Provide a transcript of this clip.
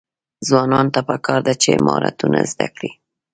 ځوانانو ته پکار ده چې، مهارتونه زده کړي.